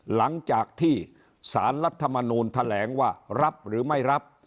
หลังจากที่สารรัฐมนูลแถลงว่ารับหรือไม่รับ